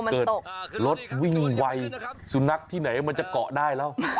เกิดรถวิ่งไวสุนัขที่ไหนมันจะเกาะได้แล้ว